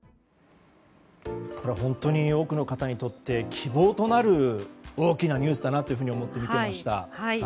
本当に多くの方にとって希望となる大きなニュースだなと思って見ていました。